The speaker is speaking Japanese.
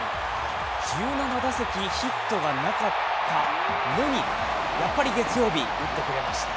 １７打席ヒットがなかったのにやっぱり月曜日、打ってくれました。